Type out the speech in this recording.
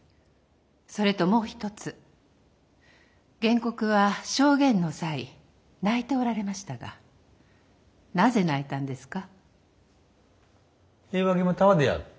それともう一つ原告は証言の際泣いておられましたがなぜ泣いたんですか？